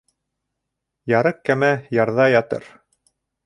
Ярыҡ кәмә ярҙа ятыр.